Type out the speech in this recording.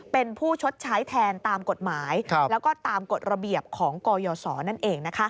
เป็นผู้ชดใช้แทนตามกฎหมายแล้วก็ตามกฎระเบียบของกยศนั่นเอง